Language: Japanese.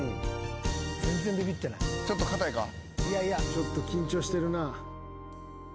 ちょっと緊張してるな。